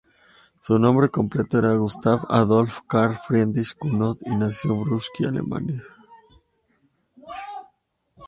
Su nombre completo era Gustav Adolf Karl Friedrich Knuth, y nació en Brunswick, Alemania.